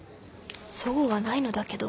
齟齬はないのだけど。